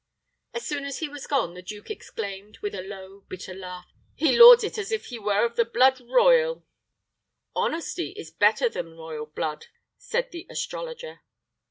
As soon as he was gone, the duke exclaimed, with a low, bitter laugh, "On my life! he lords it as if he were of the blood royal." "Honesty is better than royal blood," said the astrologer.